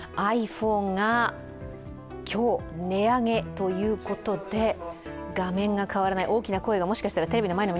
ｉＰｈｏｎｅが今日、値上げということで画面が変わらない、大きな声がもしかしたらテレビの前の